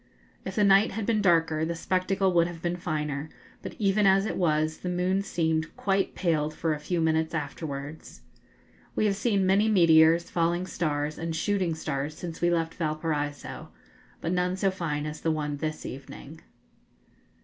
If the night had been darker, the spectacle would have been finer; but even as it was, the moon seemed quite paled for a few minutes afterwards. We have seen many meteors, falling stars, and shooting stars since we left Valparaiso, but none so fine as the one this evening.